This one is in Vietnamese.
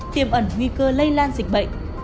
tiềm ẩn nguy cơ lây lan dịch bệnh